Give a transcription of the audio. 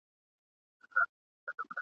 یوځل وانه خیست له غوښو څخه خوند !.